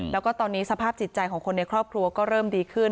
แล้วก็ตอนนี้สภาพจิตใจของคนในครอบครัวก็เริ่มดีขึ้น